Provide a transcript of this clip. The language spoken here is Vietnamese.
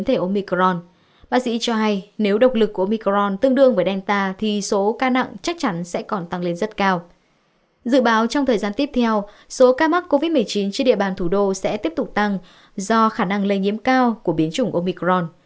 trên địa bàn thủ đô sẽ tiếp tục tăng do khả năng lây nhiễm cao của biến chủng omicron